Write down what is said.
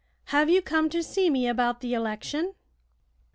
"Have you come to see me about the election?"